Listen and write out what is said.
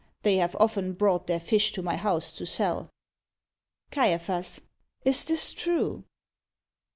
They have often brought their fish to my house to sell. CAIAPHAS. Is this true?